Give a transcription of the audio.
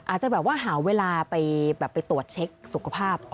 อาจจะแบบว่าหาเวลาไปตรวจเช็คสุขภาพ